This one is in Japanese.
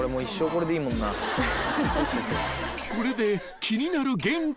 ［これで気になる原価は］